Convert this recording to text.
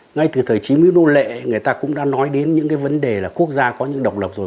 ngay từ thời chí mỹ nô lệ người ta cũng đã nói đến những vấn đề là quốc gia có những độc lập rồi